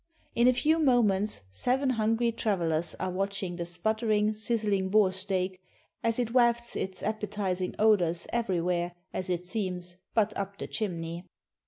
In a few moments seven hungry travellers are watching the sputtering, sizzling boar steak as it wafts its appetizing odors everywhere, as it seems, but up the chimney.